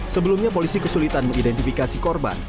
sebelumnya polisi kesulitan mengidentifikasi korban